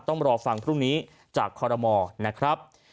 ต้องรอฟังพรุ่งนี้จากคอรมอนะครับ